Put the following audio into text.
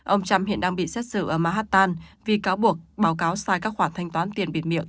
ông trump hiện đang bị xét xử ở manhattan vì cáo buộc báo cáo sai các khoản thanh toán tiền biệt miệng